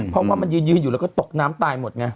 เพราะว่ามันยืนอยู่แล้วก็ตกน้ำตายหมดไง